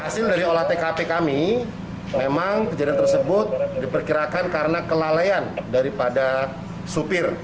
hasil dari olah tkp kami memang kejadian tersebut diperkirakan karena kelalaian daripada supir